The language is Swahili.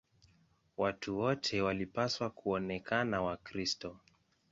Watu wote walipaswa kuonekana Wakristo.